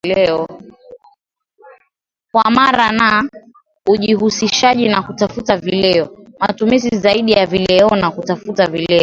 kwa mara na ujihusishaji na kutafuta vileo matumizi zaidi ya vileona kutafuta vileo